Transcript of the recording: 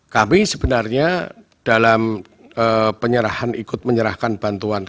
kami sebenarnya dalam penyerahan ikut menyerahkan bantuan